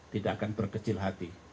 tidak akan berkecil hati